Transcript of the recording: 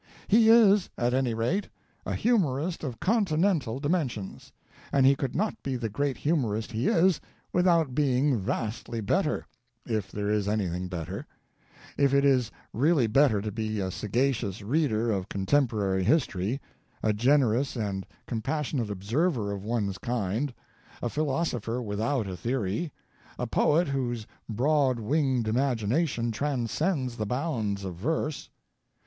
"He is, at any rate, a humorist of Continental dimensions, and he could not be the great humorist he is without being vastly better if there is anything better; if it is really better to be a sagacious reader of contemporary history, a generous and compassionate observer of one's kind, a philosopher without a theory, a poet whose broad winged imagination transcends the bounds of verse.